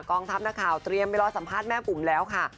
องทัพนักข่าวเตรียมไปรอสัมภาษณ์แม่ปุ๋มแล้วค่ะ